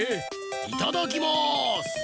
いただきます！